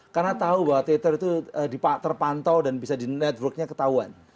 karena tahu bahwa twitter itu terpantau dan bisa di networknya ketahuan